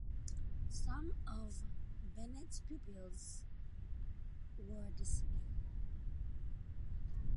Some of Bennett's pupils were dismayed.